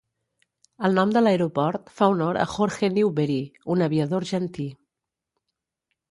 El nom de l'aeroport fa honor a Jorge Newbery, un aviador argentí.